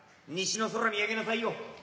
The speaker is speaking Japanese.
西の空見上げなさいよ。